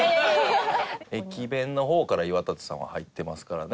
駅弁の方から岩立さんは入ってますからね。